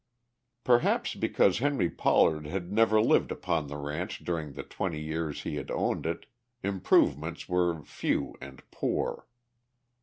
Perhaps because Henry Pollard had never lived upon the ranch during the twenty years he had owned it improvements were few and poor.